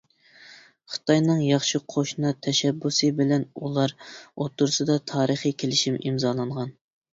خىتاينىڭ «ياخشى قوشنا» تەشەببۇسى بىلەن ئۇلار ئوتتۇرىسىدا تارىخىي كېلىشىم ئىمزالانغان.